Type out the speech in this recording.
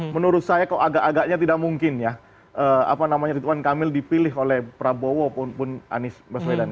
menurut saya kok agak agaknya tidak mungkin ya ridwan kamil dipilih oleh prabowo pun anies baswedan